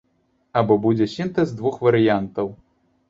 Або будзе сінтэз двух варыянтаў.